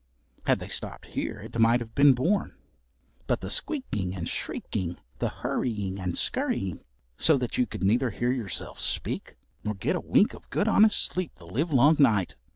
Had they stopped here it might have been borne. But the squeaking and shrieking, the hurrying and scurrying, so that you could neither hear yourself speak nor get a wink of good honest sleep the live long night!